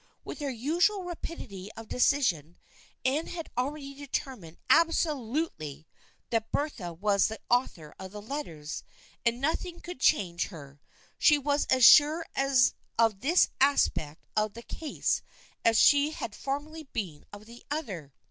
With her usual rapidity of decision Anne had already determined absolutely that Bertha was the author of the letters, and nothing could change her. She was as sure of this aspect of the case as she had formerly been of the other.